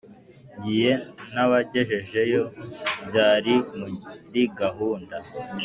ngiye ntabagejejeyo byari muri gahunda